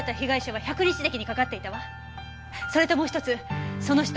それともう一つその人